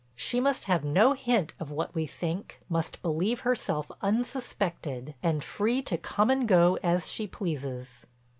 She must have no hint of what we think, must believe herself unsuspected, and free to come and go as she pleases."